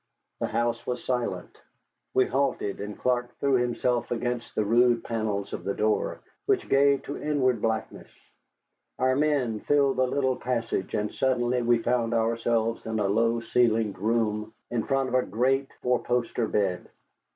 The house was silent. We halted, and Clark threw himself against the rude panels of the door, which gave to inward blackness. Our men filled the little passage, and suddenly we found ourselves in a low ceiled room in front of a great four poster bed.